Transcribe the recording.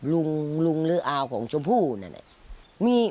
ลุงลุงหรืออาวของสุภู่นั่นเนี่ย